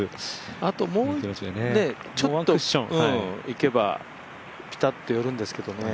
あともうちょっと、いけばピタッと寄るんですけどね。